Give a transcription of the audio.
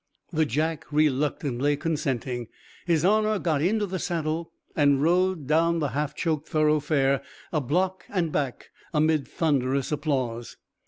The jack reluctantly consenting, his Honor got into the saddle and rode down the half choked thoroughfare a block and back amid thunderous applause.